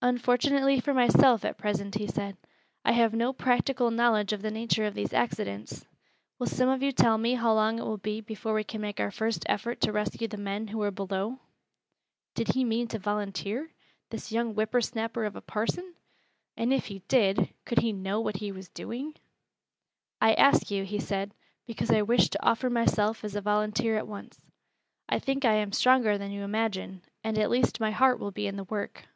"Unfortunately for myself, at present," he said, "I have no practical knowledge of the nature of these accidents. Will some of you tell me how long it will be before we can make our first effort to rescue the men who are below?" Did he mean to volunteer this young whipper snapper of a parson? And if he did, could he know what he was doing? "I ask you," he said, "because I wish to offer myself as a volunteer at once; I think I am stronger than you imagine, and at least my heart will be in the work.